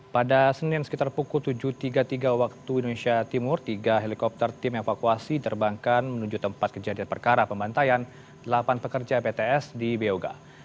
pada senin sekitar pukul tujuh tiga puluh tiga waktu indonesia timur tiga helikopter tim evakuasi terbangkan menuju tempat kejadian perkara pembantaian delapan pekerja pts di beoga